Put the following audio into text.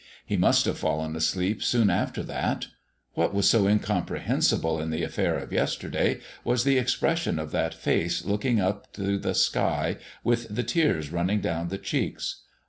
He must have fallen asleep soon after that. What was so incomprehensible in the affair of yesterday was the expression of that face looking up to the sky with the tears running down the cheeks.